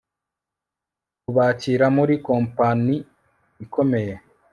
kubakira muri kampani ikomeye